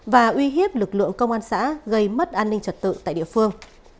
và uy hiếp lực lượng công an xã gây mất an ninh trật tự tại địa phương